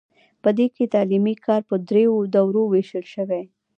په دې کې تعلیمي کار په دریو دورو ویشل شوی.